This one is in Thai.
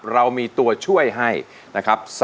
เรามีตัวช่วยให้นะครับ